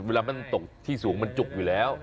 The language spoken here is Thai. เวลามันตกที่สูงมันจุกอยู่แล้ว